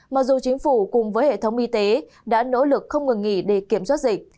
mặc dù chính phủ cùng với hệ thống y tế đã nỗ lực không ngừng nghỉ để kiểm soát dịch